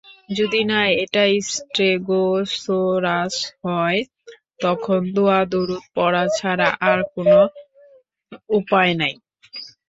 যদি না এটা স্টেগোসোরাস হয়, তখন দোয়া-দরুদ পড়া ছাড়া আর কোনো উপায় নাই।